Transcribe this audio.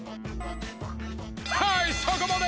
はいそこまで！